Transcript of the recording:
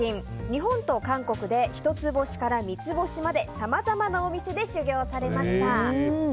日本と韓国で一つ星から三つ星までさまざまなお店で修業されました。